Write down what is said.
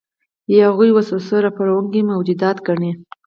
یا هغوی وسوسه راپاروونکي موجودات ګڼي.